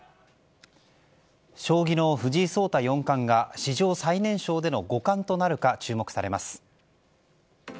将棋の藤井聡太四冠が史上最年少での五冠となるか注目されます。